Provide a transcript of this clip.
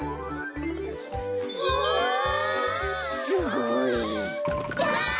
すごい。わ！